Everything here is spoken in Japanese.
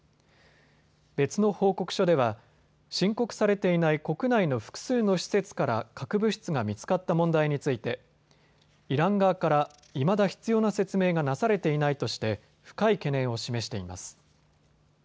別の報告書では申告されていない国内の複数の施設から核物質が見つかった問題についてイラン側から、いまだ必要な説明がなされていないとして深い懸念を示しています。